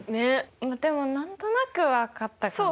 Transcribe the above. まあでも何となく分かったかな。